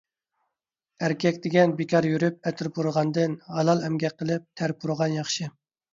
ئەركەك دېگەن بىكار يۈرۈپ ئەتىر پۇرىغاندىن، ھالال ئەمگەك قىلىپ تەر پۇرىغان ياخشى.